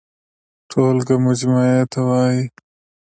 ټولګه مجموعې ته وايي.